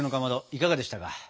いかがでしたか？